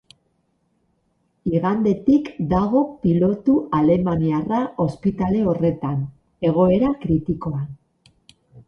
Igandetik dago pilotu alemaniarra ospitale horretan, egoera kritikoan.